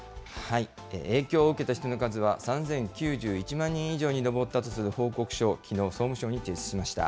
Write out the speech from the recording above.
影響を受けた人の数は、３０９１万人以上に上ったとする報告書を、きのう、総務省に提出しました。